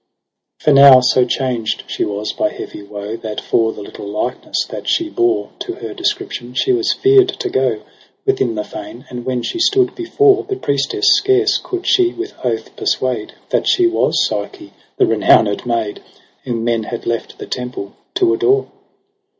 16 For now so changed she was by heavy woe, That for the little likeness that she bore To her description she was fear'd to go Within the fane ; and when she stood before The priestess, scarce coud she with oath persuade That she was Psyche, the renowned maid, . Whom men had left the temple to adore.